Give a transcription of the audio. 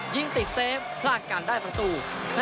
ยิงติดเซฟพลาดการได้ประตู